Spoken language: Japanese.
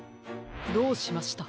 どうしました？